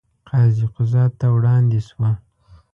قاضي قضات ته وړاندې شوه.